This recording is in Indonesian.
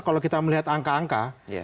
kalau kita melihat angka angka